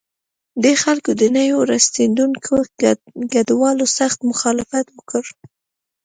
دې خلکو د نویو راستنېدونکو کډوالو سخت مخالفت وکړ.